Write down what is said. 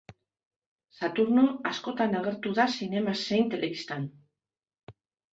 Saturno askotan agertu da zinema zein telebistan.